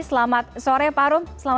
selamat sore pak rum